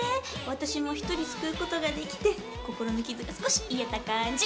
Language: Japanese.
私も１人救う事ができて心の傷が少し癒えた感じ。